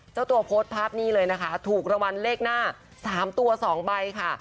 เจ้าตัวโพสต์ภาพนี้เลยนะคะถูกรางวัลเลขหน้า๓ตัว๒ใบค่ะ